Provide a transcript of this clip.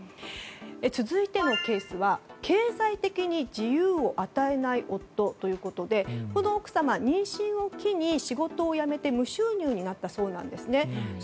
続いてのケースは経済的に自由を与えない夫ということでこの奥様、妊娠を機に仕事を辞めて無収入になったそうです。